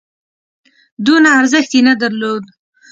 دونه ارزښت یې نه درلود.